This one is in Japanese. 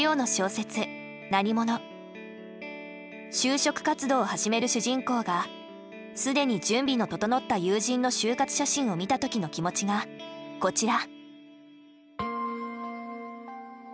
就職活動を始める主人公が既に準備の整った友人の就活写真を見た時の気持ちがこちら。